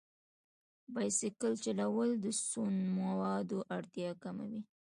بایسکل چلول د سون موادو اړتیا کموي.